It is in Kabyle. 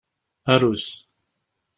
Aru-t.